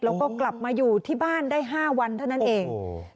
แล้วก็กลับมาอยู่ที่บ้านได้๕วันเท่านั้นเอง